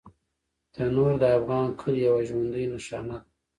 تنور د افغان کلي یوه ژوندي نښانه ده